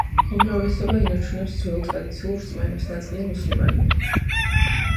უმრავლესობა ინარჩუნებს ძველ, ტრადიციულ რწმენებს, ნაწილი მუსულმანია.